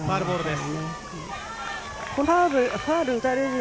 ボールです。